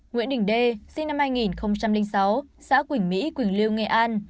nguyễn đình đê sinh năm hai nghìn sáu xã quỳnh mỹ quỳnh liêu nghệ an